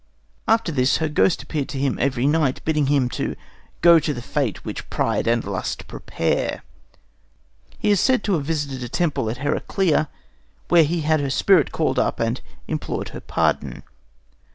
After this her ghost appeared to him every night, bidding him "go to the fate which pride and lust prepare." He is said to have visited a temple at Heraclea, where he had her spirit called up and implored her pardon.